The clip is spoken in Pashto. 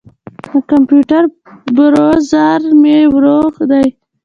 د کمپیوټر بروزر مې ورو دی.